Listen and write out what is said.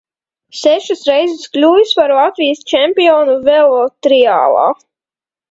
Sešas reizes kļuvis par Latvijas čempionu velotriālā.